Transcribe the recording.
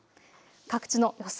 各地の予想